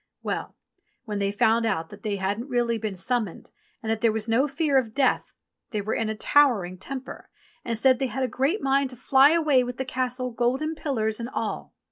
Well ! when they found out that they hadn't really been summoned and that there was no fear of death, they were in a towering temper and said they had a great mind to fly away with the Castle, golden pillars and all.